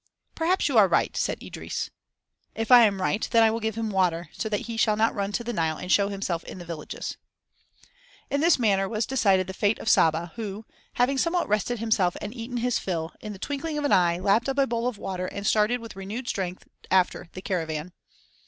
"Perhaps you are right," said Idris. "If I am right, then I will give him water, so that he shall not run to the Nile and show himself in the villages." In this manner was decided the fate of Saba who, having somewhat rested himself and eaten his fill, in the twinkling of an eye lapped up a bowl of water and started with renewed strength after the caravan.